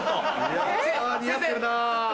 いや似合ってるな。